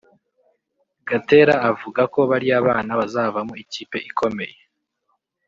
Gatera avuga ko bariya bana bazavamo ikipe ikomeye